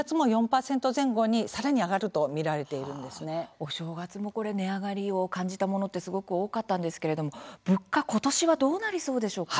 お正月もこれ値上がりを感じたものってすごく多かったんですけれども物価今年はどうなりそうでしょうか？